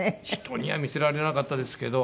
人には見せられなかったですけど。